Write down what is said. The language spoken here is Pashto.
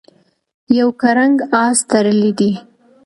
یو کرنګ آس تړلی دی.